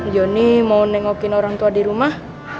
joni mau nengokin orang tua di rumah